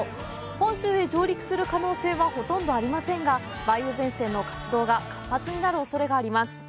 本州へ上陸する可能性はほとんどありませんが、梅雨前線の活動が活発になるおそれがあります。